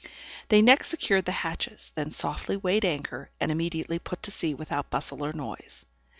They next secured the hatches, then softly weighed anchor, and immediately put to sea without bustle or noise.